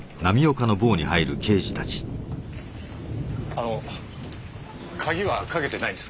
あの鍵はかけてないんですか？